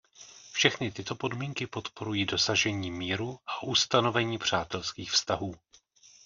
Všechny tyto podmínky podporují dosažení míru a ustanovení přátelských vztahů.